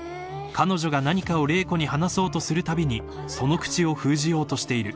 彼女が何かを麗子に話そうとするたびにその口を封じようとしている］